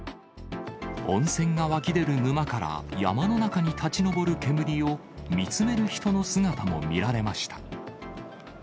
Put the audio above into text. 温泉が湧き出る沼から山の中に立ち上る煙を見つめる人の姿も見られました。